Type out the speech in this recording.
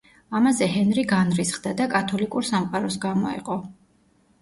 ამაზე ჰენრი განრისხდა და კათოლიკურ სამყაროს გამოეყო.